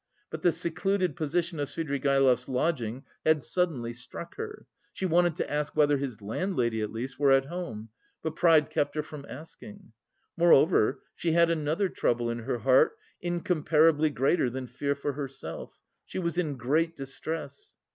But the secluded position of Svidrigaïlov's lodging had suddenly struck her. She wanted to ask whether his landlady at least were at home, but pride kept her from asking. Moreover, she had another trouble in her heart incomparably greater than fear for herself. She was in great distress.